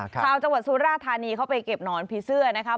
ชาวจังหวัดสุราธานีเขาไปเก็บหนอนผีเสื้อนะคะ